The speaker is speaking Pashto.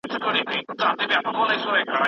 څه وخت دولتي شرکتونه صابون هیواد ته راوړي؟